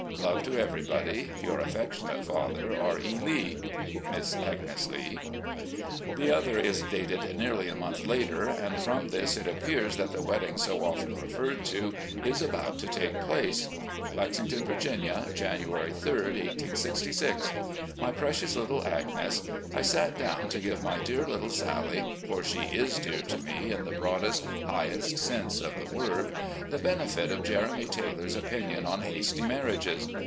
Love to everybody. " Your affectionate father, R. E. Lee. "Miss Agnes Lee." The other is dated nearly a month later, and from this it appears that the wedding so often referred to is about to take place: "Lexington, Virginia, January 3, 1866. "My Precious Little Agnes: I sat down to give my dear little Sally — for she is dear to me in the broadest, highest sense of the word — ^the benefit of Jeremy Taylor's opinion on hasty marriages.